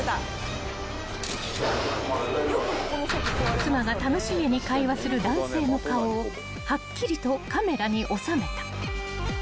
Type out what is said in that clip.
［妻が楽しげに会話する男性の顔をはっきりとカメラに収めた］